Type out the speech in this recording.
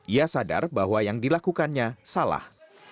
ia sadar bahwa yang dilakukannya salah